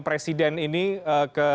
presiden ini ke